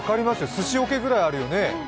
すし桶ぐらいあるよね。